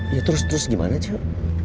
ya terus terus gimana coba